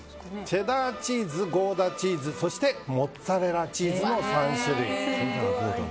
チェダーチーズ、ゴーダチーズそしてモッツァレラチーズの３種類。